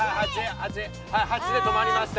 はい８でとまりました。